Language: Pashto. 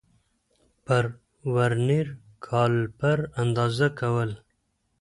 پر ورنیر کالیپر اندازه کول